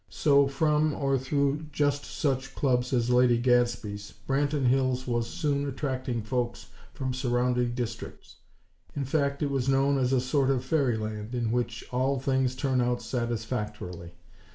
So, from, or through just such clubs as Lady Gadsby's, Branton Hills was soon attracting folks from surrounding districts; in fact, it was known as a sort of Fairyland in which all things turn out satisfactorily.